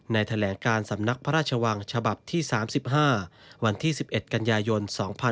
แถลงการสำนักพระราชวังฉบับที่๓๕วันที่๑๑กันยายน๒๕๖๒